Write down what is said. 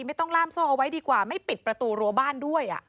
ไม่ต้องล่ามโซ่เอาไว้ดีกว่าไม่ปิดประตูรัวบ้านด้วย